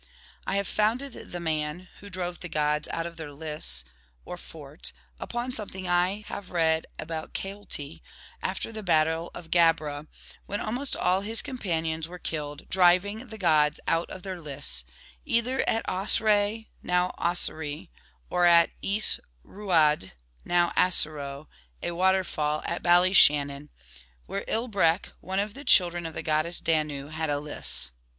I have founded the man ' who drove the gods out of their Liss,' or fort, upon something I have read about Caolte after the battle of Gabra, when almost all his companions were killed, driving the gods out of their Liss, either at Osraighe, now Ossory, or at Eas Ruaidh, now Asseroe, a waterfall at Bally shannon, where Ilbreac, one of the children of the goddess Danu, had a Liss.